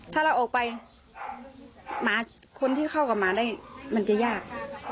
ถ้าเราออกไปหมาคนที่เข้ากับหมาได้มันจะยาก